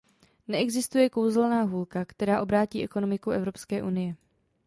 Neexistuje kouzelná hůlka, která obrátí ekonomiku Evropské unie.